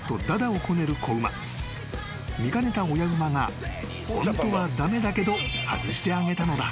［見かねた親馬がホントは駄目だけど外してあげたのだ］